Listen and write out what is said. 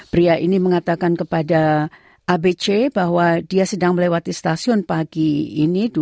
pria ini mengatakan kepada abc bahwa dia sedang melewati stasiun pagi ini